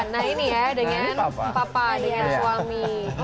nah ini ya dengan papa dengan suami